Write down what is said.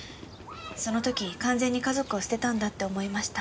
その時完全に家族を捨てたんだって思いました。